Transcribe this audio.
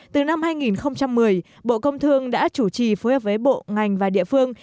từ năm hai nghìn một mươi bộ công thương đã chủ trì phối hợp với bộ ngành và địa phương